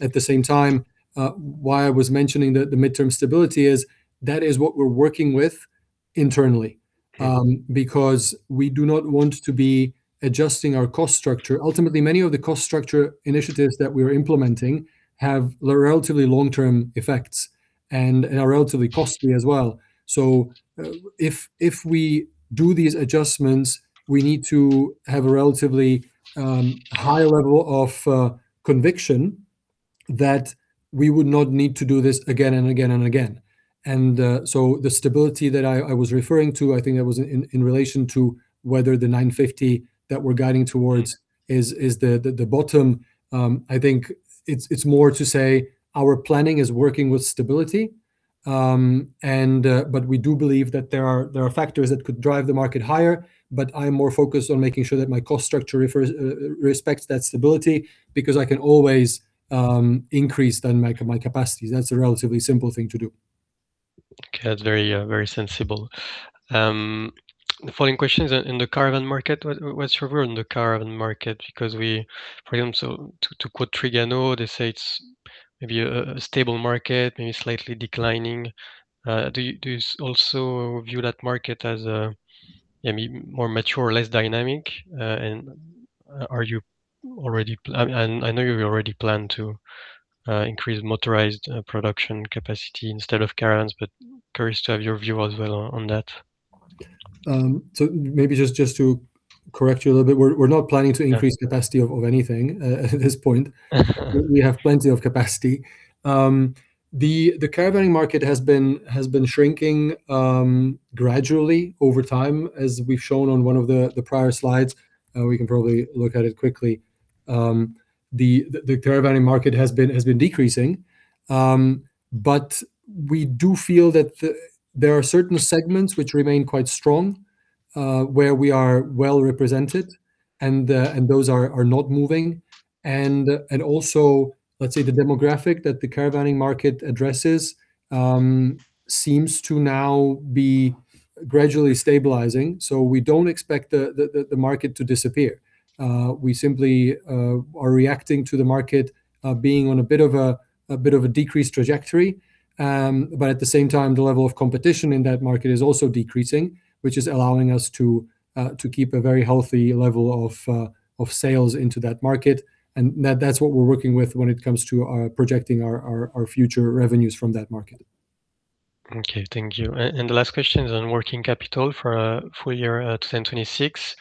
At the same time, why I was mentioning the midterm stability is that what we're working with internally. Okay. Because we do not want to be adjusting our cost structure. Ultimately, many of the cost structure initiatives that we're implementing have relatively long-term effects and are relatively costly as well. If we do these adjustments, we need to have a relatively high level of conviction that we would not need to do this again and again and again. The stability that I was referring to, I think that was in relation to whether the 950 that we're guiding towards is the bottom. I think it's more to say our planning is working with stability. We do believe that there are factors that could drive the market higher. I'm more focused on making sure that my cost structure reflects, respects that stability because I can always increase then my capacity. That's a relatively simple thing to do. Okay. Very sensible. The following question is in the caravan market. What's your view on the caravan market? Because, for example, to quote Trigano, they say it's maybe a stable market, maybe slightly declining. Do you also view that market as maybe more mature or less dynamic? I know you already plan to increase motorized production capacity instead of caravans, but curious to have your view as well on that. Maybe just to correct you a little bit. We're not planning to increase capacity of anything at this point. We have plenty of capacity. The caravanning market has been shrinking gradually over time, as we've shown on one of the prior slides. We can probably look at it quickly. The caravanning market has been decreasing. We do feel that there are certain segments which remain quite strong, where we are well represented, and those are not moving. Let's say the demographic that the caravanning market addresses seems to now be gradually stabilizing. We don't expect the market to disappear. We simply are reacting to the market being on a bit of a decreased trajectory. At the same time, the level of competition in that market is also decreasing, which is allowing us to keep a very healthy level of sales into that market. That's what we're working with when it comes to projecting our future revenues from that market. Okay. Thank you. The last question is on working capital for full year 2026.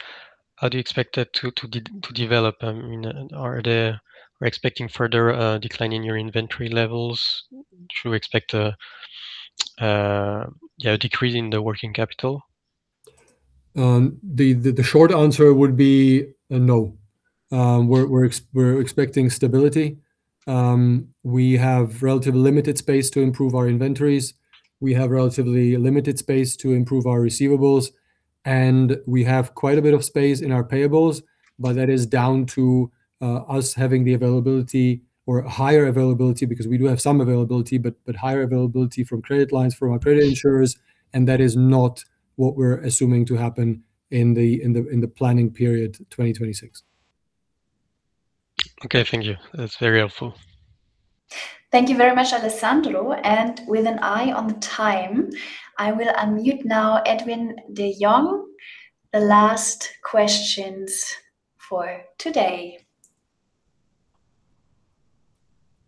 How do you expect that to develop? Are you expecting further decline in your inventory levels? Do you expect a decrease in the working capital? The short answer would be no. We're expecting stability. We have relatively limited space to improve our inventories. We have relatively limited space to improve our receivables, and we have quite a bit of space in our payables, but that is down to us having the availability or higher availability, because we do have some availability, but higher availability from credit lines from our credit insurers, and that is not what we're assuming to happen in the planning period 2026. Okay. Thank you. That's very helpful. Thank you very much, Alessandro. With an eye on the time, I will unmute now Edwin De Jong, the last questions for today.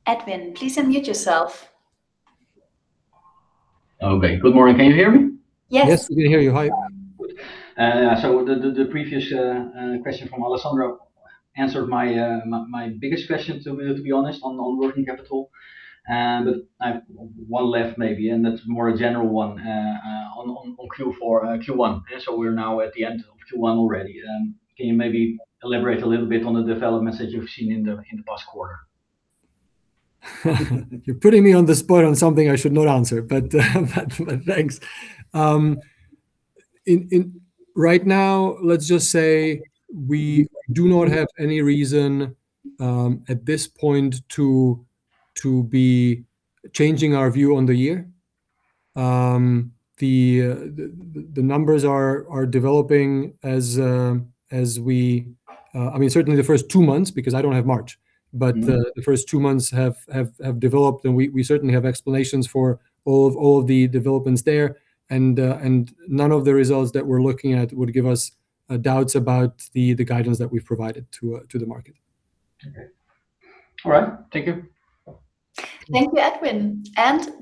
Edwin, please unmute yourself. Okay. Good morning. Can you hear me? Yes. Yes, we can hear you. Hi. Good. The previous question from Alessandro answered my biggest question, to be honest, on working capital. I've one left maybe, and that's more a general one on Q4, Q1. We're now at the end of Q1 already. Can you maybe elaborate a little bit on the developments that you've seen in the past quarter? You're putting me on the spot on something I should not answer, but thanks. Right now, let's just say we do not have any reason at this point to be changing our view on the year. The numbers are developing as we. I mean, certainly the first two months, because I don't have March. Mm-hmm. The first two months have developed, and we certainly have explanations for all of the developments there. None of the results that we're looking at would give us doubts about the guidance that we've provided to the market. Okay. All right. Thank you. Thank you, Edwin.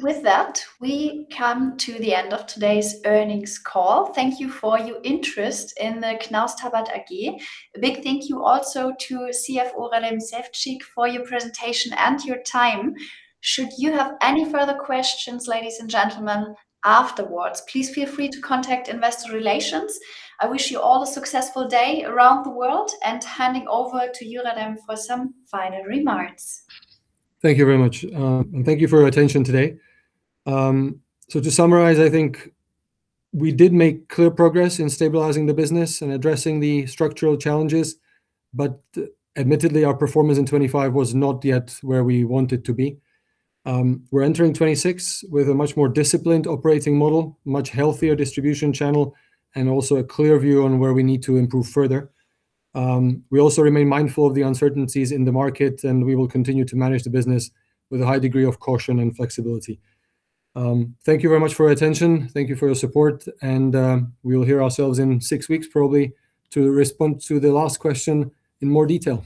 With that, we come to the end of today's earnings call. Thank you for your interest in the Knaus Tabbert AG. A big thank you also to CFO Radim Ševčík for your presentation and your time. Should you have any further questions, ladies and gentlemen, afterwards, please feel free to contact Investor Relations. I wish you all a successful day around the world, and handing over to you, Radim, for some final remarks. Thank you very much. Thank you for your attention today. To summarize, I think we did make clear progress in stabilizing the business and addressing the structural challenges, but admittedly, our performance in 2025 was not yet where we want it to be. We're entering 2026 with a much more disciplined operating model, much healthier distribution channel, and also a clear view on where we need to improve further. We also remain mindful of the uncertainties in the market, and we will continue to manage the business with a high degree of caution and flexibility. Thank you very much for your attention. Thank you for your support, and we will hear ourselves in six weeks, probably, to respond to the last question in more detail.